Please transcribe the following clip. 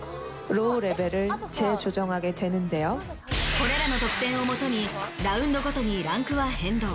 これらの得点をもとにラウンドごとにランクは変動。